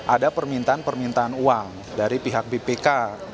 ada permintaan permintaan uang dari pihak bpk